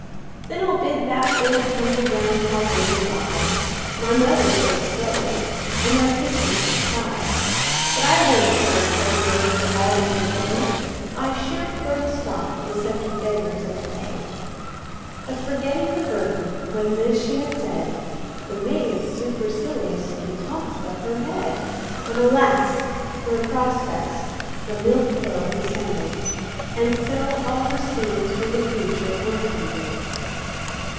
"Then I'll bid that old tumble down hovel good bye; My mother she'll scold, and my sisters they'll cry: But I won't care a crow's egg for all they can say; I sha'n't go to stop with such beggars as they!" But forgetting her burden, when this she had said, The maid superciliously toss'd up her head When alas! for her prospects—the milk pail descended! And so all her schemes for the future were ended.